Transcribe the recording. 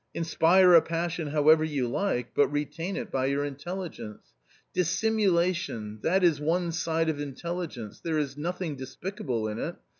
Inspire a passion however you like, but retain it by your intelligence. Dissimulation — that is one side of intelligence, there is nothing despicable in it.